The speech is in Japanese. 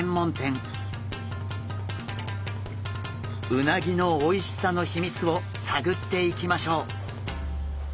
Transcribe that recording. うなぎのおいしさの秘密を探っていきましょう！